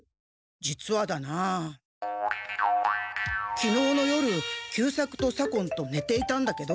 実はだな今日の夜久作と左近とねていたんだけど。